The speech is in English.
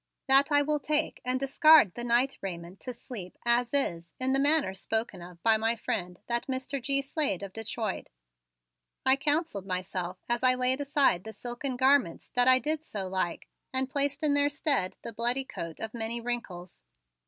"That I will take and discard the night raiment, to sleep 'as is' in the manner spoken of by my friend, that Mr. G. Slade of Detroit," I counseled myself as I laid aside the silken garments that I did so like and placed in their stead the bloody coat of many wrinkles.